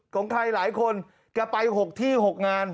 ของใครหลายคนแกไป๖ที่๖งาน